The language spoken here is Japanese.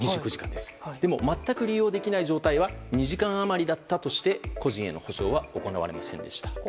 でも、全く利用できない状態は２時間余りだったとして個人への補償は行われませんでした。